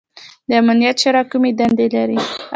د امنیت شورا کومې دندې لري؟